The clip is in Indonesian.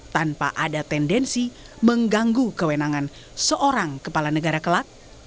tanpa ada tendensi mengganggu kewenangan seorang kepala negara kelak